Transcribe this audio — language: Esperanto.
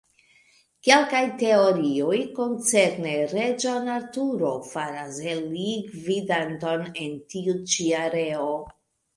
Kelkaj teorioj koncerne Reĝon Arturo faras el li gvidanton en tiu ĉi areo.